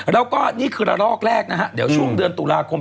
แล้วก็นี่คือระลอกแรกนะฮะเดี๋ยวช่วงเดือนตุลาคม